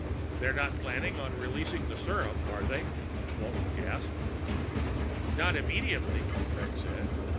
"They're not planning to release the serum, are they?" Walton gasped. "Not immediately," Fred said.